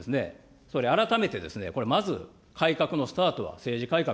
総理、改めてこれ、まず改革のスタートは政治改革。